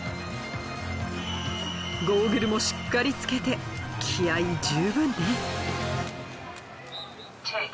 ゴーグルもしっかりつけて気合十分ね。